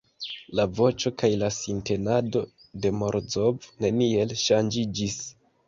La voĉo kaj la sintenado de Morozov neniel ŝanĝiĝis.